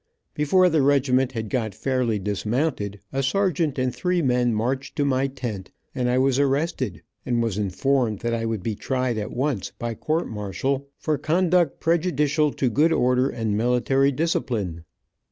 Before the regiment had got fairly dismounted, a sergeant and three men marched to my tent, and I was arrested, and was informed that I would be tried at once, by court martial, for conduct prejudicial to good order and military discipline.